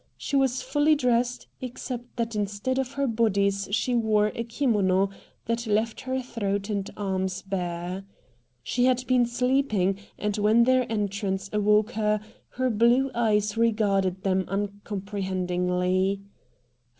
She was fully dressed, except that instead of her bodice she wore a kimono that left her throat and arms bare. She had been sleeping, and when their entrance awoke her, her blue eyes regarded them uncomprehendingly.